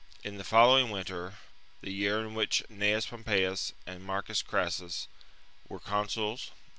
In the following winter — the year in which Tencte?i^ Gnacus PoHipeius and Marcus Crassus were consuls g^?